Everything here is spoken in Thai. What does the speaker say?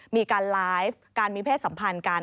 มีการไลฟ์การมีเพศสัมพันธ์กัน